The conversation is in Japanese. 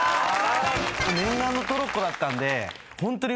念願のトロッコだったんでホントにうれしいです今。